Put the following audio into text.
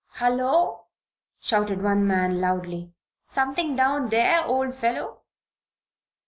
"Hullo!" shouted one man, loudly. "Something down there, old fellow?"